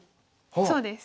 そうです。